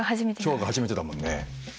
今日が初めてだもんね。